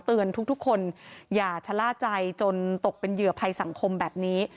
ทุกคนอย่าชะล่าใจจนตกเป็นเหยื่อภัยสังคมแบบนี้